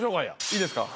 いいですか？